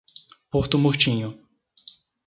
Porto Murtinho